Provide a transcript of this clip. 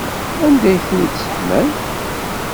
Anda ay ten-id-tesseḥmam?